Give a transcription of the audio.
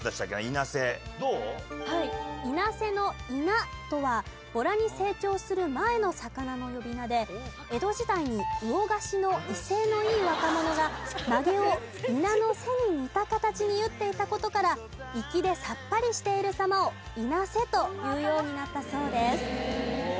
いなせの「いな」とはボラに成長する前の魚の呼び名で江戸時代に魚河岸の威勢のいい若者がまげを鯔の背に似た形に結っていた事から粋でさっぱりしている様を「いなせ」というようになったそうです。